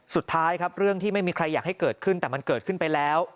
สุดท้ายครับเรื่องที่ไม่มีใครอยากให้เกิดขึ้นแต่มันเกิดขึ้นไปแล้ว